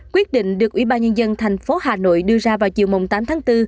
quyết định được ủy ban nhân dân tp hcm đưa ra vào chiều tám tháng bốn